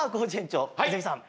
長泉さん